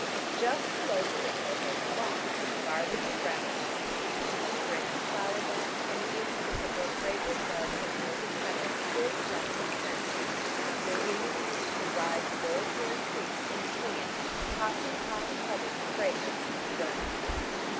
Just below her window lay the lawn, garlanded round with sleeping and dew drenched flower beds and the incense of their fragrant buds and folded petals still slept in the censer, till in the East should rise the gold haired priest and swing it, tossing high to heaven the fragrance of its burning.